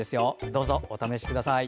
どうぞ、お試しください。